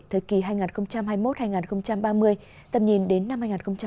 thời kỳ hai nghìn hai mươi một hai nghìn ba mươi tầm nhìn đến năm hai nghìn năm mươi